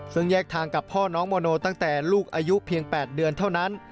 ซึ่งแยกทางกับพ่อน้องโมโนตั้งแต่ลูกอายุเพียง๘เดือนเท่านั้น